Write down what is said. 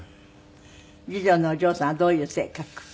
次女のお嬢さんはどういう性格？